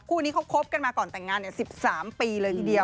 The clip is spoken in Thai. คู่นี้เขาคบกันมาก่อนแต่งงาน๑๓ปีเลยทีเดียว